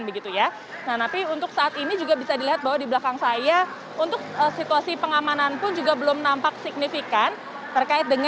nah tapi untuk saat ini juga bisa dilihat bahwa di belakang saya untuk situasi pengamanan pun juga belum nampak signifikan